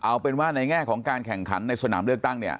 เอาเป็นว่าในแง่ของการแข่งขันในสนามเลือกตั้งเนี่ย